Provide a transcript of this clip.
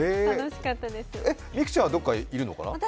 美空ちゃんはどこかにいるのかな？